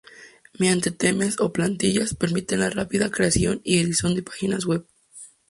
Mediante Themes o Plantillas permiten la rápida creación y edición de páginas web.